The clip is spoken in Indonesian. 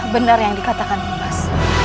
benar yang dikatakan ibas